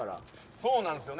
そうなんですよね。